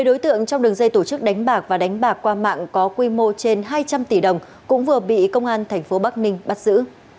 một mươi đối tượng trong đường dây tổ chức đánh bạc và đánh bạc qua mạng có quy mô trên hai trăm linh tỷ đồng cũng vừa bị công an tp bắc ninh bắt giữ